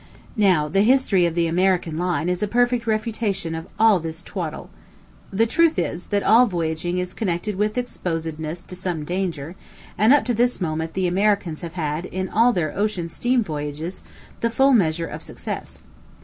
Now, the history of the American line is a perfect refutation of all this twaddle. The truth is, that all voyaging is connected with exposedness to some danger; and up to this moment the Americans have had, in all their ocean steam voyages, the full measure of success.